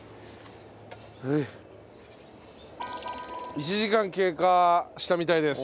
１時間経過したみたいです。